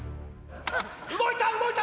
動いた動いた！